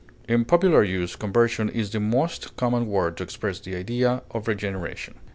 In popular use conversion is the most common word to express the idea of regeneration.